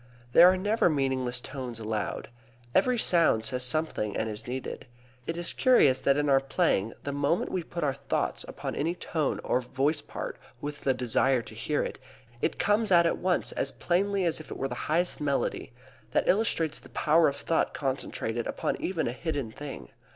There are never meaningless tones allowed. Every sound says something and is needed. It is curious that in our playing the moment we put our thoughts upon any tone or voice part with the desire to hear it, it comes out at once as plainly as if it was the highest melody. That illustrates the power of thought concentrated upon even a hidden thing.